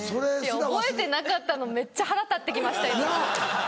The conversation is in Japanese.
覚えてなかったのめっちゃ腹立って来ました今。